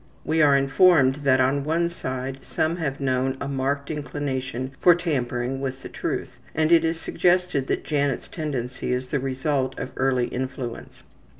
We are informed that on one side some have shown a marked inclination for tampering with the truth, and it is suggested that Janet's tendency is the result of early influence.